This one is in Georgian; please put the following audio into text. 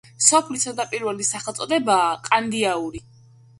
სოფლის თავდაპირველი სახელწოდებაა ყანდიაური.